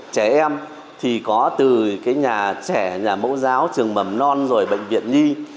trẻ em thì có từ cái nhà trẻ nhà mẫu giáo trường mầm non rồi bệnh viện nhi